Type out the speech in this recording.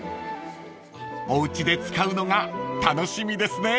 ［おうちで使うのが楽しみですね］